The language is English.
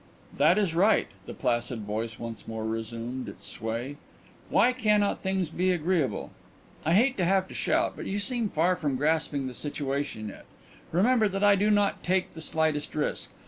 "That is right." The placid voice once more resumed its sway. "Why cannot things be agreeable? I hate to have to shout, but you seem far from grasping the situation yet. Remember that I do not take the slightest risk.